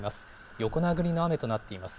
横殴りの雨となっています。